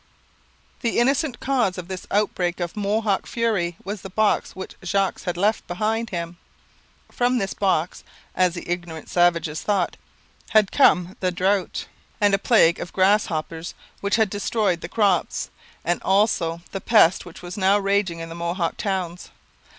The innocent cause of this outbreak of Mohawk fury was the box which Jogues had left behind him. From this box, as the ignorant savages thought, had come the drought and a plague of grasshoppers, which had destroyed the crops, and also the pest which was now raging in the Mohawk towns.